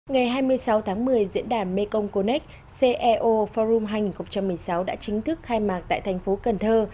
ngày hai mươi sáu tháng một mươi diễn đàn mekong connec ceo forum hai nghìn một mươi sáu đã chính thức khai mạc tại thành phố cần thơ